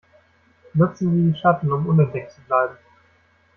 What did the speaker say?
Nutzen Sie die Schatten, um unentdeckt zu bleiben!